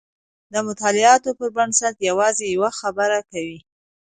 د مطالعاتو پر بنسټ یوازې یوه خبره کوو.